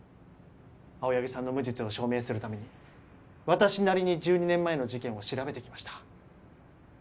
青柳さんの無実を証明するために私なりに１２年前の事件を調べてきました